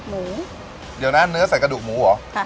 มีเนื้อซุปหมู